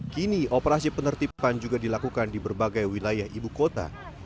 kini operasi penertiban juga dilakukan di berbagai wilayah ibu kota